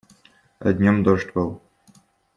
А днём дождь был.